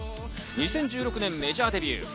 ２０１６年メジャーデビュー。